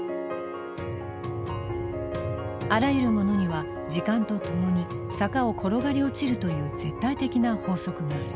あらゆるものには時間とともに坂を転がり落ちるという絶対的な法則がある。